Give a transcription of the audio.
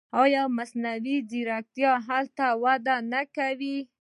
آیا مصنوعي ځیرکتیا هلته وده نه کوي؟